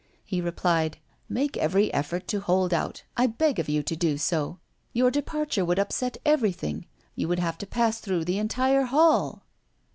He replied: "Make every effort to hold out. I beg of you to do so! Your departure would upset everything. You would have to pass through the entire hall!"